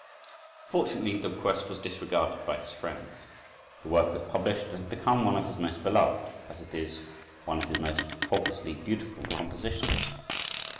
Fortunately the request was disregarded by his friends. The work was published and has become one of his most beloved, as it is one of his most faultlessly beautiful compositions.